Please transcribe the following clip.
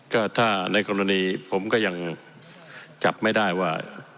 ก็ถ้าในกรณีผมก็ยังจับไม่ได้ว่า